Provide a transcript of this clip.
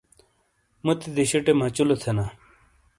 موتی دیشٹے مچلو تھینا۔